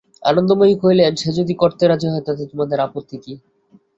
আনন্দময়ী কহিলেন, সে যদি করতে রাজি হয় তাতে তোমাদের আপত্তি কী?